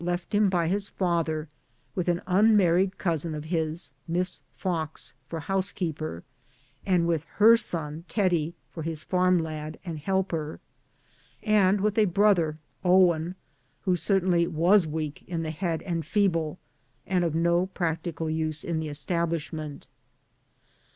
left him by his father, with an unmarried cousin of his, Miss Fox, for housekeeper, and with her son Teddie for his farm lad and helper ; and with a brother, Owen, who certainly was weak in the head and feeble, and of no practical use in the establishment.